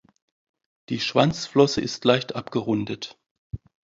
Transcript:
Die Schwanzflosse ist leicht abgerundet.